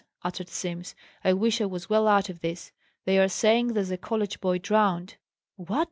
uttered Simms. "I wish I was well out of this! They are saying there's a college boy drowned!" "What?"